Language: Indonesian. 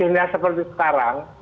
misalnya seperti sekarang